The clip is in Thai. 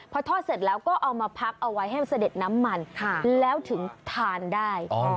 พอทอดเสร็จแล้วก็เอามาพักเอาไว้ให้มันเสด็จน้ำมันแล้วถึงทานได้